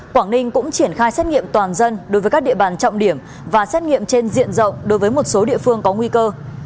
quảng ninh cũng triển khai xét nghiệm toàn dân đối với các địa bàn trọng điểm và xét nghiệm trên diện rộng đối với một số địa phương có nguy cơ